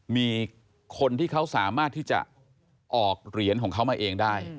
มีคนที่เขาสามารถที่จะออกเหรียญของเขามาเองได้